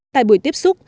tại buổi tiếp xúc